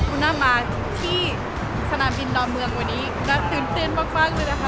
คุณน่ามาที่สนามบินดอนเมืองวันนี้น่าตื่นเต้นมากเลยนะคะ